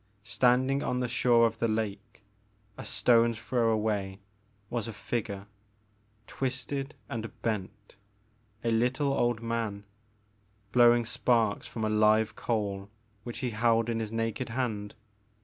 Standing on the shore of the lake, a stone's throw away, was a figure, twisted and bent, — a little old man, blowing sparks from a live coal which he held in his naked hand.